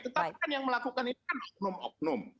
tetapi kan yang melakukan ini kan oknum oknum